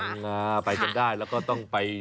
ฟังง่าไปจัดได้แล้วก็ต้องไป